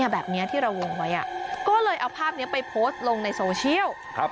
แบบนี้ที่เราวงไว้เนี่ย